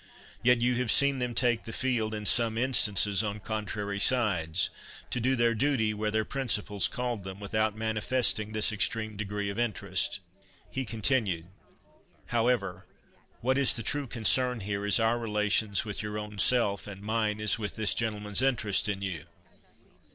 Yet you have seen them take the field—in some instances on contrary sides, to do their duty where their principles called them, without manifesting this extreme degree of interest." He continued, "However, what is the true concern here is our relations with your own self, and mine is with this gentleman's interest in you.